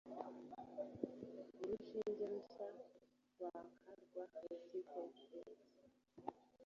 urushinge rushya rwaka rwa squatters,